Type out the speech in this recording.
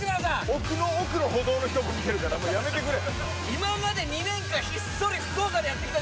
奥の奥の歩道の人も見てるからもうやめてくれはいはいそうです